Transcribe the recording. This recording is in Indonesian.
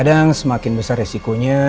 kadang semakin besar resikonya